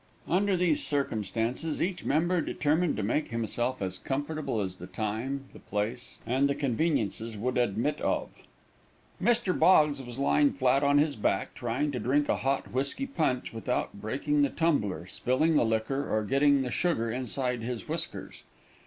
Under these circumstances, each member determined to make himself as comfortable as the time, the place, and the conveniences would admit of. Mr. Boggs was lying flat on his back, trying to drink a hot whisky punch without breaking the tumbler, spilling the liquor, or getting the sugar inside his whiskers.